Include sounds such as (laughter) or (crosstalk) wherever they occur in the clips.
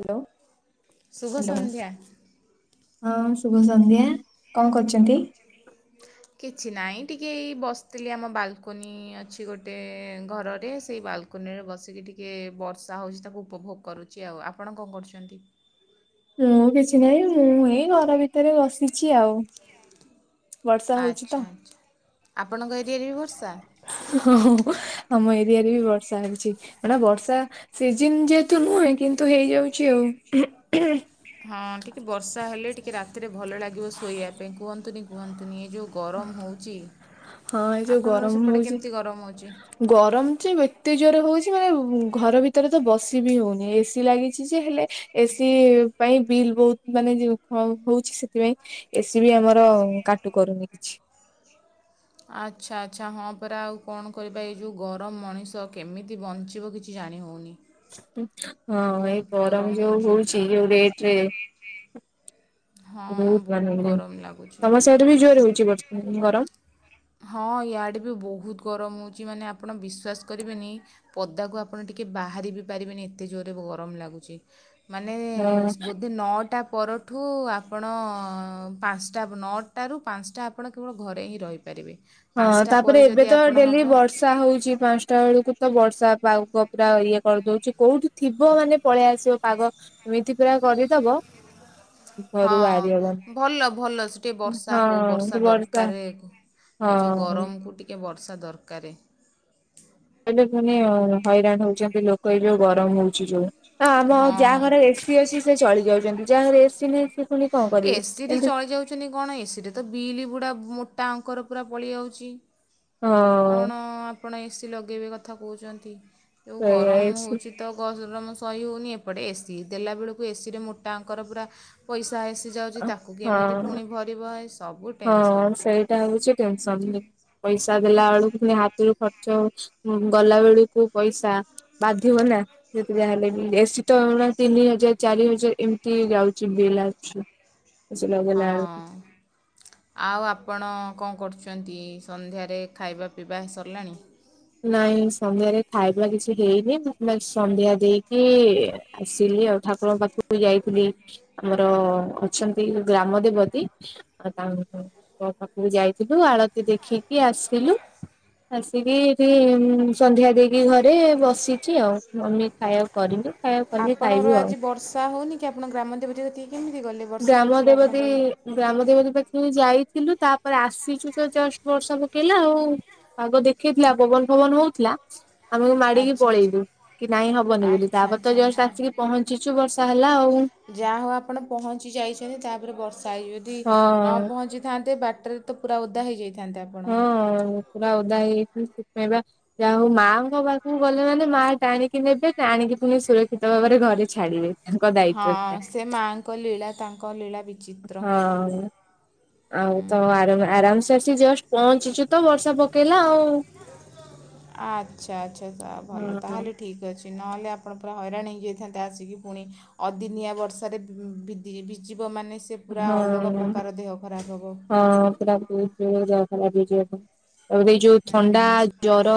Hello ଶୁଭ hello ସନ୍ଧ୍ୟା। ହଁ ଶୁଭସନ୍ଧ୍ୟା। କଅଁ କରୁଛନ୍ତି? କିଛି ନାଇଁ ଟିକେ ଏଇ ବସିଥିଲି ଆମ ବାଲକୁନି ଅଛି ଗୋଟେ ଘରରେ ସେଇ ବାଲକ୍ କୁନିରେ ବସିକି ଟିକେ ବର୍ଷା ହଉଛି ତାକୁ ଉପଭୋଗ କରୁଚି ଆଉ ଆପଣ କଣ କରୁଚନ୍ତି? ମୁଁ କିଛି ନାଇଁ ମୁଁ ଏଇ ଘର ଭିତରେ ବସିଛି ଆଉ। ବର୍ଷା ହଉଛି ତ। ଆଚ୍ଛା ଆଚ୍ଛା ଆପଣଙ୍କ ଏରିଆରେ ବି ବର୍ଷା? ହଁ ହଁ ଆମ ଏରିଆରେ ବି ବର୍ଷା ହେଉଛି ଏଟା ବର୍ଷା ସିଜିିନ୍ ଯେହେତୁ ନୁହେଁ କିନ୍ତୁ ହେଇଯାଉଚି ଆଉ। ହଁ ଟିକେ ବର୍ଷା ହେଲେ ଟିକେ ରାତିରେ ଭଲ ଲାଗିବ ଶୋଇବା ପାଇଁ କୁହନ୍ତୁନି କୁହନ୍ତୁନି ଏ ଯୋଉ ଗରମ ହଉଛି ହଁ ଏ ଯୋଉ ଆପଣଙ୍କର ଗରମ ସେପଟେ ହଉଛି କେମିତି ଗରମ ହଉଚି? ଗରମ ଯେ ଏତେ ଜୋରେ ହୋଉଚି ମାନେ ଘର ଭିତରେ ତ ବସି ବି ହଉନି ଏସି ଲାଗିଛି ଯେ ହେଲେ ଏସି ପାଇଁ ବିଲ୍ ବହୁତ ମାନେ ଯ ହ ହଉଛି ସେଥିପାଇଁ। ଏସି ବି ଆମର କାଟୁ କରୁନି କିଛି। ଆଚ୍ଛା ଆଚ୍ଛା ହଁ ପରା ଆଉ କଣ କରିବା ଏଇ ଯୋଉ ଗରମ ମଣିଷ କେମିତି ବଞ୍ଚିବ କିଛି ଜାଣି ହଉନି। ହଁ ଏଇ ଗରମ ଯୋଉ ହେଉଛି। ହଉଛି ଯୋଉ ରେଟରେ। ହଁ ବହୁତ ମାନ ହେଇଗଲାଣି ଗରମ ଲାଗୁଛି ତମ ସିଆଡ଼େ ବି ଜୋରେ ହଉଛି ବରଷ୍ ଗରମ? ହଁ ଇଆଡ଼େ ବି ବୋହୁତ ଗରମ ହଉଛି ମାନେ ଆପଣ ବିଶ୍ଵାସ କରିବେନି ପଦାକୁ ଆପଣ ଟିକେ ବାହାରି ବି ପାରିବେନି ଏତେ ଜୋରରେ ଗରମ ଲାଗୁଚି। ମାନେ ହଁ ବୋଧେ ନଅଟା ପର ଠୁ ଆପଣ ପାଞ୍ଚଟା ନଅଟାରୁ ପାଞ୍ଚଟା ଆପଣ କେବଳ ଘରେ ହିଁ ରହି ପାରିବେ। ହଁ ତାପରେ ଏବେ ତ ଡ଼େଲି ବର୍ଷ୍ ତା ହଉଛି ପାଞ୍ଚଟା ବେଳକୁ ତ ବର୍ଷା ପାଉ ପୁରା ଇଏ କରିଦଉଛି କୋଉଠି ଥିବ ମାନେ ପଳେଇ ଆସିବ ପାଗ ଏମିତି ପୁରା କରିଦବ ଘରୁ ବାହାରି ହବନି ହଁ ଭଲ ଭଲ ସେ ଟେ ବର୍ଷା ହଉ ହଁ ସେ ବର୍ଷା ଦରକାରେ। ଏ ଯୋଉ ହଁ ଗରମକୁ ଟିକେ ବର୍ଷା ଦରକାରେ। ହେଲେ ପୁଣି ହଇରାଣ ହଉଛନ୍ତି ଲୋକ ଏ ଯୋଉ ଗରମ ହଉଛି ଯୋଉ ଆମ ଯାଆ ହଁ ଘରେ ଏସ୍ ସି ଅସି ସିଏ ଚଳି ଯାଉଛନ୍ତି ଯାହାରେ ଏସି ନାଇଁ ସିଏ ଫୁଣି ଏସିିରେ ଚଳିଯାଉଚନ୍ତି କଣ ଏସିରେ ତ ବିଲ୍ ବୁଡ଼ା ମୋଟା ଅଙ୍କର ପୁରା ପଳିଆଉଚି। ହଁ କଣ ଆପଣ ଏସିି ଲଗେଇବେ କଥା କହୁଛନ୍ତି ଯୋଉ ସେଇଆ ଗରମ ଏସୁ ହୋଉଚି। ତ ଗଜରମ ସହି ହଉନି ଏପଟେ ଏସି ଦେଲା ବେଳକୁ ଏସିରେ ମୋଟା ଅଙ୍କର ପୁରା ପଇସା ହେସିଯାଉଛି ଅ ତାକୁ କେମିତି ହଁ ଫୁଣି ଭରିବ ହେ ସବୁ ହଁ ଟେନସନ୍ ସେଇଟା ହଉଛି ଟେନସନ୍ ପଇସା ଦେଲା ବେଳକୁ ପୁଣି ହାତରୁ ଖ ଚ ଗଲା ବେଳକୁ ପଇସା ବାଧିବ ନା ଯେତେ ଯାହାହେଲେ ବି ଏସି ତଅଳା ତିନି ହଜାର ଚାରି ହଜାର ଏମିତି ଯାଉଛି ବିଲ୍ ଆଚି। ହଁ। ଆଉ ଆପଣ କଣ କରୁଛନ୍ତି ସନ୍ଧ୍ୟାରେ ଖାଇବା ପିଇବା ସରିଲାଣି? ନାଇଁ ସନ୍ଧ୍ୟାରେ ଖାଇବା କିଛି ହେଇନି ମୁଁମେ ସନ୍ଧ୍ୟା ଦେଇକି ଆସିଲି ଆଉ ଠାକୁରଙ୍କ ପାଖକୁ ଯାଇଥିଲି ଆମ ତ ଅଛନ୍ତି ଗ୍ରାମ ଦେବତୀ। ଆଉ ତା ମୋ ପାଖକୁ ଯାଇଥିଲୁ ଆଳତି ଦେଖିକି ଆସିଲୁ। ଆସିକି ସେ ସନ୍ଧ୍ୟା ଦେଇକି ଘରେ ବସିଛି ଆଉ ମମି ଖାଇବାକୁ କରିନି। ଖାଇବାକୁ କଲେ ଖାଇବୁ ଆପଣର ଆଉ ଆଜି ବର୍ଷା ହଉନି କି ଆପଣ ଗ୍ରାମ ଦେବତୀ କତିକି କେମିତି ଗଲେ? ବର୍ଷା ଗ୍ରାମ ହେଉଛି ବା ଆପଣ ଦେବତୀ କହିଲେ ଗ୍ରାମଦେବତୀ ପାଖରେ ଯାଇଥିଲୁ ତାପରେ ଆସିଛୁ ତ ଜଷ୍ଟ ବର୍ଷା ପକେଇଲା ଆଉ। ପାଗ ଦେଖେଇଥିଲା ପବନ ଫବନ ହଉଥିଲା? ଆମେକୁ ମାଡିକି ଆଚ୍ଛା ଆଚ୍ଛା ପଳେଇଲୁ କି ନାଇଁ ହବନି ବୋଲି ଆଚ୍ଛା ତାପରେ ତ ଆଚ୍ଛା ଜଷ୍ଟ ଆ- ଆସିକି ପହଞ୍ଚି ଛିଞ୍ଚୁ ବର୍ଷା ହେଲା ଆଉ। ଯାହା ହଉ ଆପଣ ପହଞ୍ଚି ଯାଇଛନ୍ତି ତାପରେ ବର୍ଷା ହେଇ ଯଦି ନ ହଁ ପହଞ୍ଚିଥାନ୍ତେ ବାଟରେ ତ ପୁରା ଓଦା ହେଇଯାଇଥାନ୍ତେ ଆପଣ। ହଁ ପୁରା ଉଦା ହେଇ (inaudible) ଯା ହଉ ମାଙ୍କ ପାଖକୁ ଗଲେ ମାନେ ମା ଟାଣିକି ନେବେ ଟାଣିକି ପୁଣି ସୁରକ୍ଷିତ ଭାବରେ ଘରେ ଛାଡିବେ। ତାଙ୍କ ଦାୟିତ୍ୱ ସେଟା ହଁ ସେ ମାଆଙ୍କ ଲୀଳା ତାଙ୍କ ଲୀଳା ବିଚିତ୍ର ହଁ ଆଉ ତ ଆର ଆରାମସେ ଆସିଛି ଜଷ୍ଟ ପହଞ୍ଚିଛୁ ତ ବର୍ଷା ପକେଇଲା ଆଉ। ଅଚ୍ଛା ଅଚ୍ଛା ତା ଭଲ ତାହେଲେ ହଁ ଠିକ ଅଛି। ନହେଲେ ଆପଣ ପୁରା ହରାଣ ହେଇଯାଇଥାନ୍ତେ ଆସିକି ପୁଣି ଅଦିନିଆ ବର୍ଷାରେ ବିଜିବ ମାନେ ସେ ପୁରା ହଁ ଅଲଗା ପ୍ରକାର ଦେହ ଖରାପ ହେବ ହଁ ହଁ ପୁରା (inaudible) (unintelligible) ଆଉ ଏଇ ଯୋଉ ଥଣ୍ଡା ହୁଁ ଜର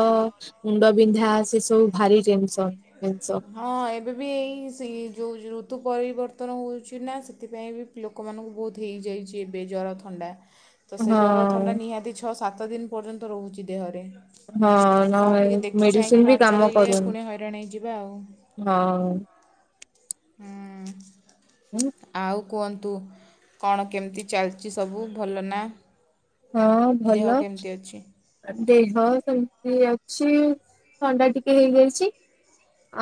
ମୁଣ୍ଡବିନ୍ଧା ସେ ସବୁ ଭାରି ଟେନସ ଜଷ ହଁ ଏବେ ବି ଏଇ ସେ ଯେଉଁ ଋତୁ ପରିବର୍ତ୍ତନ ହେଉଛି ନା ସେଥିପାଇଁ ବି ଲୋକମାନଙ୍କୁ ବହୁତ ହେଇଯାଇଛି ଏବେ ଜର ଥଣ୍ଡା। ତ ହଁ ସେ ଜର ଥଣ୍ଡା ନିହାତି ଛଅ ସାତ ଦିନ ପର୍ଯ୍ୟନ୍ତ ରହୁଛି ଦେହରେ। ହଁ ନ ତଉ ଟିକେ ଦେଖି ମେଡିସିନ ଚାହିଁକି ବି ନ କାମ ଚାଲିଲେ କରୁନି। ପୁଣି ହଇରାଣ ହେଇଯିବା ଆଉ। ହଁ ହୁଁ ଉଁ ଆଉ କୁହନ୍ତୁ କଣ କେମିତି ଚାଲିଛି ସବୁ ଭଲ ନା? ହଁ ଦେହ ଭଲ। କେମିତି ଅଛି ଦେହ ସେମିତି ଅଛି ଥଣ୍ଡା ଟିକେ ହେଇଯାଇଛି।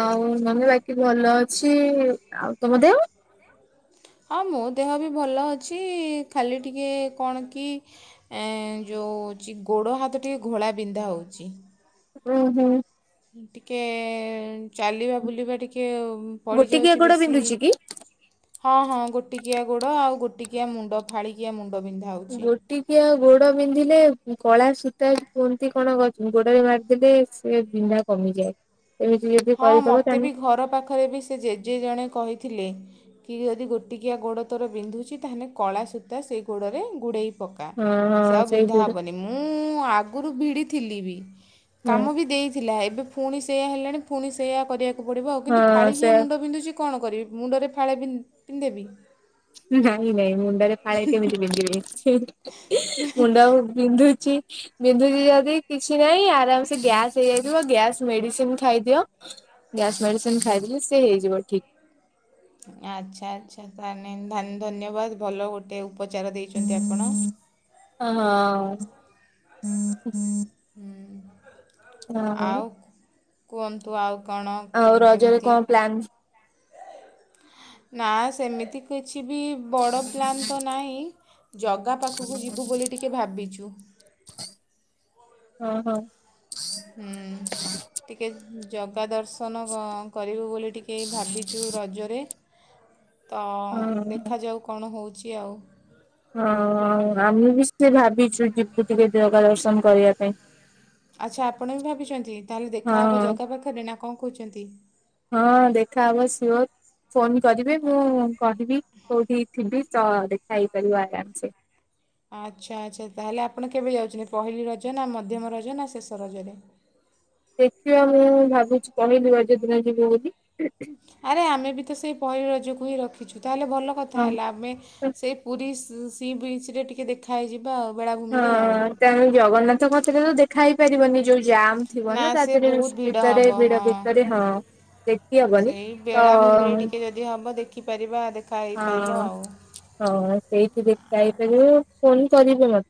ଆଉ ମାନେ ବାକି ଭଲ ଅଛି ଆଉ ତମ ଦେହ? ହଁ ମୋ ଦେହ ବି ଭଲ ଅଛି ଖାଲି ଟିକିଏ କଣ କି ଏ ଯୋଉଁ ଚି ଗୋଡ଼ ହାତ ଟିକେ ଘୋଳା ବିିନ୍ଧା ହେଉଛି। ହୁଁ ହୁଁ। ଟିକେ ଚାଲିବା ବୁଲିବା ଟିକେ ପଡି ଗୋଟିକିଆ ଯାଉଛି ଗୋଡ ବେଶୀ। ବିନ୍ଧୁଛି କି? ହଁ ହଁ ଗୋଟିକିଆ ଗୋଡ ଆଉ ଗୋଟିକିଆ ମୁଣ୍ଡ ଫାଳିକିଆ ମୁଣ୍ଡ ବିନ୍ଧା। ହେଉଛି ଗୋଟିକିଆ ଗୋଡ ବିନ୍ଧିଲେ କଳା ସୂତା କୁହନ୍ତି କଣ କର ଗୋଡରେ ମାରିଦେଲେ ସେ ବିନ୍ଧା କମିଯାଏ। ଏ ହେ ହଁ ମତେ ବି ଘର ପାଖରେ ବି ସେ ଜେଜେ ଜଣେ କହିଥିଲେ। କି ଯଦି ଗୋଟିକିଆ ଗୋଡ଼ ତୋର ବିନ୍ଧୁଛି ତାହେଲେ କଳା ସୂତା ସେଇ ଗୋଡ଼ରେ ଗୁଡ଼େଇ ପକା ହଁ ସେ ହଁ ଆଉ ସେଇ ବିନ୍ଧା ଗୋଡ ହବନି। ମୁଁ ଆଗରୁ ଭିଡି ଥିଲି ବି ହଁ କାମ ବି ଦେଇଥିଲା ଏବେ ପୁଣି ସେଇୟା ହେଲାଣି ପୁଣି ସେଇଆ କରିବାକୁ ପଡ଼ିବ ଆଉ କିନ୍ତୁ ହଁ ସେ ଫାଳିିକିଆ ମୁଣ୍ଡ ବିନ୍ଧୁଛି କଣ କରିବି ମୁଣ୍ଡରେ ଫାଳେ ବିନ୍ଧ ପୀନ୍ଦେବି। ମୁଁ ଜାଣିନେଇଁ ମୁଣ୍ଡରେ ଫାଳେ କେମିତି ପିନ୍ଧିବି ସେଇଥି ହିଁ ମୁଣ୍ଡ ଆଉ ବିନ୍ଧୁଚି ବିନ୍ଧୁଚି ଯଦି କିଛି ନାହିଁ ଆରାମସେ ଗ୍ୟାସ୍ ସେ ହେଇଯିବ ଗ୍ୟାସ୍ ମେଡିସିନ୍ ଖାଇଦିଅ ଗ୍ୟାସ୍ ମେଡିସିନ୍ ଖାଇଦେଲେ ସେ ହେଇଯିବ ଠିକ୍। ଆଚ୍ଛା ଆଚ୍ଛା ତାହେନେ ଧନ ଧନ୍ୟବାଦ ଭଲ ଗୋଟେ ଉପଚାର ଦେଇଚନ୍ତି ଆପଣ। ହଁ ହଁ। ହୁଁ। ତାପରେ? କୁଅନ୍ତୁ ଆଉ କଣ କେମିତି? ପ୍ଲାନ୍। ନା ସେମିତି କିଛି ବି ବଡ଼ ପ୍ଲାନ୍ ତ ନାହିଁ ଜଗା ପାଖକୁ ଯିବୁ ବୋଲି ଟିକେ ଭାବିଚୁ। ହଁ ହଁ। ହୁଁ ଟିକେ ଜଗା ଦର୍ଶ ଦର୍ଶନ ଙ୍କ କରିବୁ ବୋଲି ଟିକେ ଭାବିଚୁ ରଜରେ। ତ ହଁ। ଦେଖାଯାଉ କଣ ହୋଉଚି ଆଉ। ହଁ ଆମେ ବି ସେ ଭାବିଚୁ ଯିବୁ ଟିକେ ଦୂର୍ଗା ଦର୍ଶନ କରିବା ପାଇଁ। ଆଚ୍ଛା ଆପଣ ବି ଭାବିଚନ୍ତି ତାହେଲେ ଦେଖାହେବ ହଁ ଜାଗା ପାଖରେ ନା କଣ କହୁଚନ୍ତି? ହଁ ଦେଖା ହବ ସିଓର୍। ଫୋନ କରିବେ ମୁଁ କହିବି କୋଉଠି ଥିବି ତ ଦେଖା ହେଇପାରିବ ଆରାମ୍ ସେ। ଆଚ୍ଛା ଆଚ୍ଛା ତାହେଲେ ଆପଣ କେବେ ଯାଉଚନ୍ତି ପହିଲି ରଜ ନା ମଧ୍ୟମ ରଜ ନା ଶେଷ ରଜରେ? ଦେଖିବା ମୁଁ ଭାବୁଚି ପହିଲି ରଜ ଦିନ ଯିବୁ ବୋଲି ଆରେ ଆମେ ବି ତ ସେଇ ପହିଲି ରଜ କୁ ହିଁ ରଖିଚୁ ତାହେଲେ ଭଲ କଥା ହଁ ହେଲା ଆମେ ସେଇ ପୁରୀ ସି ସିବି୍ଚିରେ ଟିକେ ଦେଖା ହେଇଯିବ। ବା ଅବଡ଼ା ହଁ ତେଣୁ ଜଗନ୍ନାଥଙ୍କ କତିରେ ତ ଦେଖା ହେଇ ପାରିବନି ଯୋଉ ଜାମ୍। ଥିବ ନା ତା ସେ ଦେହରେ ବହୁତ ଭିଡ଼ ହବ ଭିତରେ ଭିଡ ହଁ। ଭିତରେ ହଁ ଦେଖି ହବନି। ସେଇ ତ ବେଳାଭୂମିରେ ଟିକେ ଯଦି ହେବ ଦେଖିପାରିବା ଦେଖା ହେଇପାରିବ ହଁ ଆଉ। ହଁ ସେଇଠି ଦେଖା ହେଇପାରିବି ଆଚ୍ଛା ଆଚ୍ଛା। ଫୋନ୍ କରିବି ମତେ?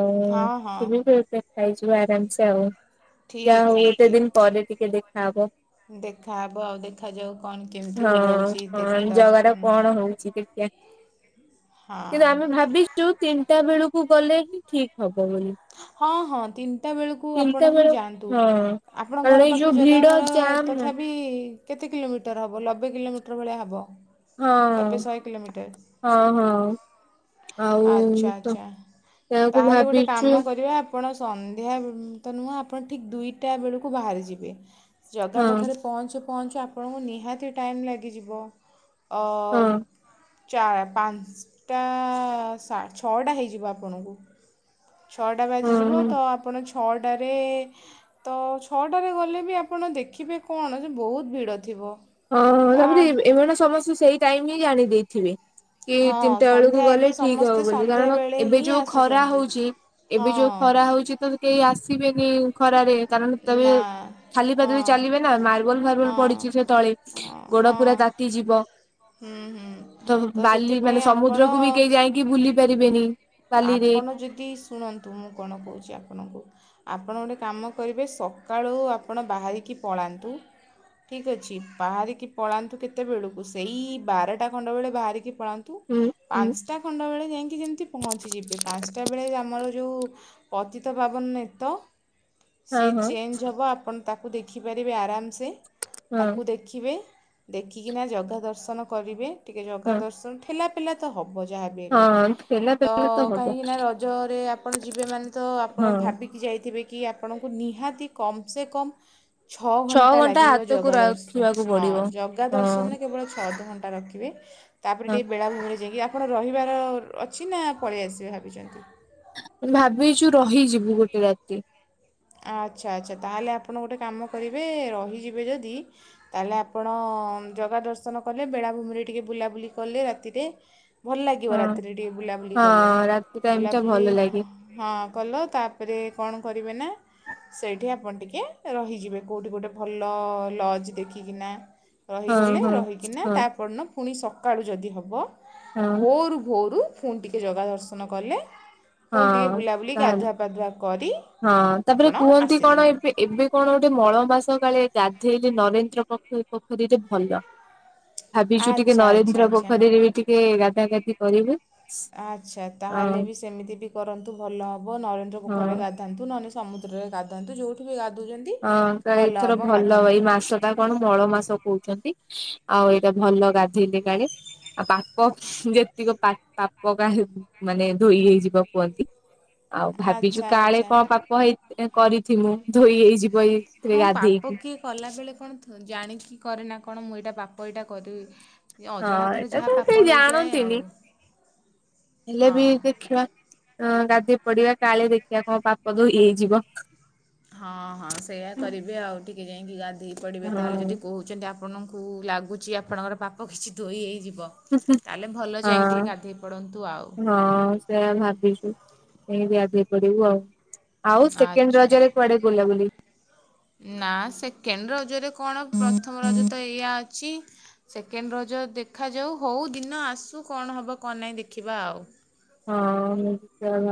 ଆଉ ତମ ହଁ ହଁ ଫୁଲୁ କୋ ଟା ପାଇଜିବୁ ଆରାମ୍ ସେ ଆଉ। ଯାହା ଠିକ୍ ହୋଉ ଅଛି ଏତେ ଠିକ୍ ଦିଇନ ଅଛି। ପରେ ଟିକେ ଦେଖାହବ। ଦେଖାହବ ଆଉ ଦେଖାଯାଉ କଣ କେମିତି ହଁ ରହୁଛି ଦେ କଣ ଦର୍ ଜଗାର କଣ ହୋଉଚି ଦେଖିଆ। କିନ୍ତୁ ହଁ। ଆମେ ଭାବିଛୁ ଟୁ ତିନିଟା ବେଳକୁ ଗଲେ ହିଁ ଠିକ୍ ହବ ବୋଲି। ହଁ ହଁ ତିନି ତିନିଟା ବେଳକୁ ତିନିଟା ଆପଣ ହିଁ ବେଳ ଯାଆନ୍ତୁ ହଁ। ଆପଣ କାରଣ ଘର ଏଇ ଯୋଉ ପାଖରୁ ଜଗା ଭିଡ ଘର ଜାମ୍ ହଁ ତଥାବି କେତେ କିଲୋମିଟର ହବ ଲବେ କିଲୋମିଟର ଭଳିଆ ହବ। ଲବେ ଶହେ କିଲୋମିଟର। ହଁ ହଁ। ଆଉ ଆଛା ତ ଆଚ୍ଛା ସେୟାକୁ ତାହେଲେ ଗୋଟେ କା ଭାବିଛୁ କାମ କରିବା ଆପଣ ସନ୍ଧ୍ୟା ତ ନୁହଁ ଆପଣ ଠିକ ଦୁଇଟା ବେଳକୁ ବାହାରି ଯିବେ। ଜାଗା ହଁ ପାଖରେ ପହଞ୍ଚୁ ପହଞ୍ଚୁ ଆପଣଙ୍କୁ ନିହାତି ଟାଇମ୍ ଲାଗିଯିବ। ଅ ହଁ। ଦୁ ଚାଏ ପାଞ୍ଚଟା ଶା ଛଅଟା ହେଇଯିବ ଆପଣଙ୍କୁ। ଛଅଟା ହଁ ବାଜିଯିବ ହଁ ତ ଆପଣ ଛଅଟାରେ ତ ଛଅଟାରେ ଗଲେ ବି ଆପଣ ଦେଖିବେ କଣ ଯେ ବୋହୁତ ଭିଡ଼ ଥିବ। ହଁ ତା ତାପରେ ଏ ଏମାନେ ସମସ୍ତେ ସେଇ ଟାଇମ୍ ହିଁ ଜାଣି ଦେଇଥିବେ। କି ହଁ ତିନିଟା ବେଳକୁ ସନ୍ଧ୍ୟା ଗଲେ ଏବେ ଠିକ ହବ ସମସ୍ତେ ବୋଲି କାରଣ ସନ୍ଧ୍ୟାବେଳେ ଏବେ ହିଁ ଯୋଉ ଖରା ଆସୁଛନ୍ତି ହୋଉଚି। ହଁ ଏବେ ଯୋଉ ଖରା ହୋଉଚି ତ କେହି ଆସିବେନି ଖରାରେ କାରଣ ତବେ ନା ଖାଲି ହଁ ପାଦରେ ଚାଲିବେ ନା ମାର୍ବଲ ଫାର୍ବୁଲ ହଁ ପଡିଚି ସେ ତଳେ। ହଁ ଗୋଡ ହଁ ପୁରା ତାତି ଯିବ। ହୁଁ ହୁଁ ତ ବାଲି ମାନେ ସେଥିପାଇଁ ଆପଣ ସମୁଦ୍ରକୁ ବି କେହି ଯାଇକି ବୁଲି ପାରିବେନି ବାଲିରେ। ଆପଣ ଯଦି ଶୁଣନ୍ତୁ, ମୁଁ କଣ କହୁଚି ଆପଣଙ୍କୁ ଆପଣ ଗୋଟେ କାମ କରିବେ ସକାଳୁ ଆପଣ ବାହାରିକି ପଳାନ୍ତୁ। ଠିକ୍ ଅଛି, ବାହାରିକି ପଳାନ୍ତୁ କେତେବେଳକୁ ସେଇ ବାରଟା ଖଣ୍ଡ ବେଳେ ବାହାରିକି ପଳା ହୁଁ। ହୁଁ ପାଞ୍ଚଟା ଖଣ୍ଡ ବେଳେ ଯାଇକି ଯେମିତି ପହଞ୍ଚିଯିବେ। ପାଞ୍ଚଟା ବେଳେ ଆମର ଯୋଉ ପତିତ ପାବନ ନେତ ହଁ ସେ ହଁ ଚେଞ୍ଜ ହବ ଆପଣ ତାକୁ ଦେଖିପାରିବେ ଆରାମସେ। ହଁ ତାକୁ ଦେ ଖିବେ, ଦେଖିକିନା ଜଗା ଦର୍ଶନ କରିବେ ଟିକେ ଜଗା ହଁ ଦର୍ଶନ ଥିଲା ଲା ତ ହବ ଯାହାବି ହେଲେ। ହଁ ଠେଲା ତ ପେଲା ହବ କାହିଁକି ନା ରଜରେ ଆପଣ ଯିବେ ମାନେ ତ ହଁ ଆପଣ ଭାବି କି ଯାଇଥିବେ କି ଆପଣଙ୍କୁ ନିହାତି କମ ସେ କମ୍ ଛଅ ଘଣ୍ଟା ଲାଗିବ ହାତକୁ ଜଗା ଦର୍ଶ, ରଖିବାକୁ ହଁ ପଡିବ ଜଗା ହଁ ଦର୍ଶନ ରେ କେବଳ ଛ ଅଧ ଘଣ୍ଟା ରଖିବେ। ତାପରେ ହଁ ଟିକିଏ ବେଳାଭୂମିରେ ଯାଇକି ଆପଣ ରହିବାର ଅଛି ନା ପଳେଇ ଆସିବେ ଭାବିଛନ୍ତି। ଭାବିଛୁ ରହିଯିବୁ ଗୋଟେ ରାତି। ଆଚ୍ଛା ଆଚ୍ଛା ତାହେଲେ ଆପଣ ଗୋଟେ କାମ କରିବେ, ରହିଯିବେ ଯଦି ତାହେଲେ ଆପଣ ଜଗା ଦର୍ଶନ କଲେ ବେଳାଭୂମିରେ ଟିକେ ବୁଲାବୁଲି କଲେ ରାତିରେ ଭଲ ଲାଗିବ ହଁ ରାତିରେ ଟିକେ ବୁଲାବୁଲି ହଁ କଲେ। ରାତି ଟାଇମ ଟା ବୁଲାବୁଲି ଭଲ ଲାଗେ ହଁ କଲ ତାପରେ କଣ କରିବେ ନା ସେଇଠି ଆପଣ ଟିକେ ରହିଯିବେ କୋଉଠି ଗୋଟେ ଭଲ ଲଜ୍ ଦେଖିକିନା ହଁ ରହିଗଲେ। ହଁ ରହିକିନା ହଁ ତାପର ଦିନ ପୁଣି ସକାଳୁ ଯଦି ହେବ ହଁ ଭୋରୁ ଭୋରୁ ଫୁଣି ଟିକେ ଜଗା ଦର୍ଶନ କଲେ, ପୁଣି ଟିକିଏ ହଁ। ବୁଲାବୁଲିି ତାହେଲେ ଗାଧୁଆ ପାଧୁଆ କରି ହଁ ତାପରେ ଆପଣ କୁହନ୍ତି ଆସିଲେ କଣ ଏବେ ଏବେ କଣ ଗୋଟେ ମଳ ମାସ କାଳେ ଗାଧେଇଲେ ନରେନ୍ଦ୍ର ପୋଖ ପୋଖରୀରେ ଭଲ। ଭାବିଛୁ ଟିକେ ଆଚ୍ଛା ଆଚ୍ଛା ନରେନ୍ଦ୍ର ଆଚ୍ଛା ପୋଖରୀରେ ବି ଟିକେ ଗାଧା ଗାଧି କରିବେ। ଆଚ୍ଛା ତାହେଲେ ବି ସେମିତି ବି କରନ୍ତୁ ଭଲ ହବ। ନରେନ୍ଦ୍ର ପୋଖରୀରେ ହଁ ଗା ଧାନ୍ତୁ, ନହେଲେ ସମୁଦ୍ରରେ ଗାଧନ୍ତୁ ଯୋଉଠି ବି ଗାଧୁଉଛନ୍ତି ହଁ ତ ଏଥର ଭଲ ଏଇ ମାସ ଟା କଣ ମଳ ମାସ କ ହୁଛନ୍ତି ଆଉ ଏଇଟା ଭଲ ଗାଧେଇଲେ କାଳେ। ଆଉ ପାପ ଯେତିକ ପା ପାପ କା ହେ ମାନେ ଧୋଇ ହେଇଯିବ କୁହନ୍ତି। ଆଉ ଭାବିଛୁ ଆଚ୍ଛା କାଳେ ଆଚ୍ଛା କଣ ପାପ ହେଇ କରିଥିମୁୁ ଧୋଇ ହେଇଯି ହଁ ପାପ କ୍ଷ କିଏ କଲାବେଳେ କଣ ଜାଣିକି କରେ ନା କଣ, ମୁଁ ଏଇଟା ପାପ ଏଇଟା କରିବି ଏ ହଁ ଅଜାଣତରେ ଏଟା ଯାହା ତ କେହି ପାପ ହେଇଯାଏ ଆଉ। ଜାଣନ୍ତିନି। ହେଲେ ବି ହଁ ଦେଖିବା। ହଁ ଗାଧେଇ ପଡିବା କାଳେ ଦେଖିବା କଣ ପାପ ଧୋଇ ହେଇଯିବ। ହଁ ହଁ ସେଇୟା କରିବେ ଆଉ ଟିକେ ଯାଇକି ଗାଧୋଇ ପଡିବେ ତାହେଲେ ହଁ ଯଦି କହୁ ଯଦି ଆପଣଙ୍କୁ ଲାଗୁଛି ଆପଣଙ୍କର ପାପ କିଛି ଧୋଇ ହେଇଯିବ। ତାହେଲେ ଭଲ ଯାଇକି ହଁ। ଟିକେ ଗାଧେଇ ପଡ଼ନ୍ତୁ ଆଉ। ହଁ ସେଇଆ ଭାବିଛୁ ଯାଇକି ଗାଧେଇ ପଡିବୁ ଆଉ। ଆଉ ସେକେଣ୍ଡ ଆଚ୍ଛା ରଜରେ ଆଚ୍ଛା କୁଆଡେ ବୁଲାବୁଲି? ନା ସେକେଣ୍ଡ ରଜରେ କଣ ପ୍ରଥମ ରଜ ତ ଏଇୟା ଅଛି। ସେକେଣ୍ଡ ରଜ ଦେଖାଯାଉ ହଉ ଦିନ ଆସୁ କଣ ହବ କଣ ନାହିଁ ଦେଖିବା ଆଉ। ହଁ (unintelligible)